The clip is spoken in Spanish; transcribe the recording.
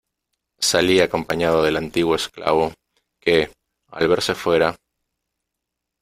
salí acompañado del antiguo esclavo , que , al verse fuera ,